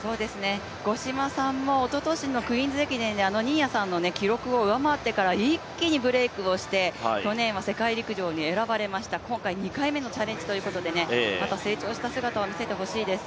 五島さんもおととしのクイーンズ駅伝であの新谷さんの記録を上回ってから一気にブレークして去年は世界陸上に選ばれました、今回２回目のチャレンジということでまた成長した姿を見せてほしいです。